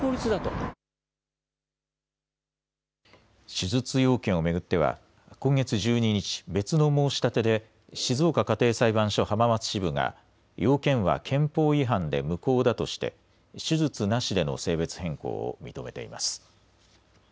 手術要件を巡っては今月１２日、別の申し立てで静岡家庭裁判所浜松支部が要件は憲法違反で無効だとして手術なしでの性別変更を認めています。